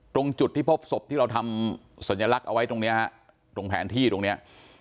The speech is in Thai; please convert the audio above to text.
ตรงที่พบสมที่ที่เราทำสัญลักษณ์เอาไว้แผนที่ตรงนี้